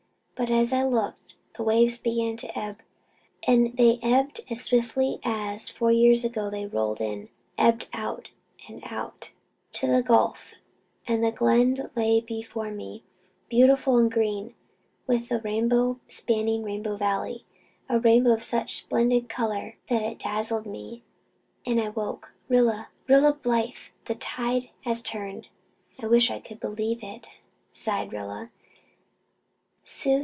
But as I looked the waves began to ebb and they ebbed as swiftly as, four years ago, they rolled in ebbed out and out, to the gulf; and the Glen lay before me, beautiful and green, with a rainbow spanning Rainbow Valley a rainbow of such splendid colour that it dazzled me and I woke. Rilla Rilla Blythe the tide has turned." "I wish I could believe it," sighed Rilla.